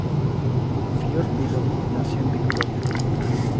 Faure-Vidot nació en Victoria.